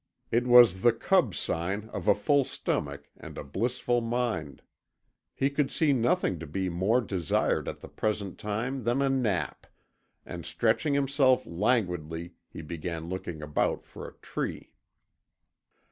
It was the cub sign of a full stomach and a blissful mind. He could see nothing to be more desired at the present time than a nap, and stretching himself languidly he began looking about for a tree.